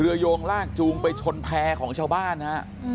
เรือยงลากจูงไปชนแพรของชาวบ้านนะฮะ